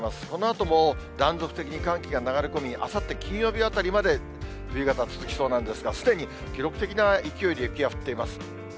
このあとも断続的に寒気が流れ込み、あさって金曜日あたりまで、冬型、続きそうなんですが、すでに記録的な勢いで雪が降っています。